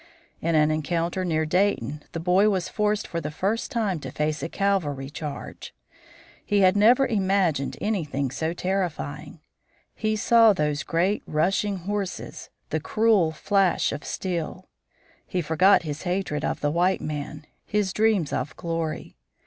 In an encounter near Dayton the boy was forced for the first time to face a cavalry charge. He had never imagined anything so terrifying. He saw those great, rushing horses, the cruel flash of steel. He forgot his hatred of the white man, his dreams of glory.